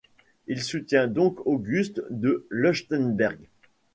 Il soutient donc Auguste de Leuchtenberg.